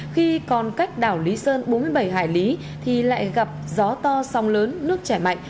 khi còn cách đảo lý sơn bốn mươi bảy hải lý thì lại gặp gió to sông lớn nước chảy mạnh